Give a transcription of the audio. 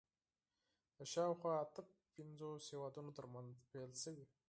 د شاوخوا اته پنځوس هېوادونو تر منځ پیل شوي